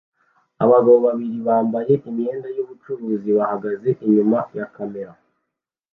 Abagabo babiri bambaye imyenda yubucuruzi bahagaze inyuma ya kamera